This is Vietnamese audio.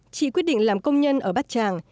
chị quyết định làm công nhân ở bắc đông